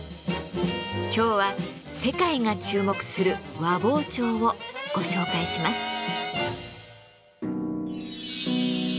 今日は世界が注目する和包丁をご紹介します。